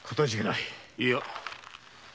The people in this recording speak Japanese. いや。